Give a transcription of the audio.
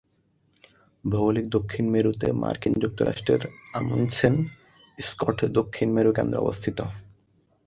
ভৌগোলিক দক্ষিণ মেরুতে মার্কিন যুক্তরাষ্ট্রের আমুন্ডসেন-স্কট দক্ষিণ মেরু কেন্দ্র অবস্থিত।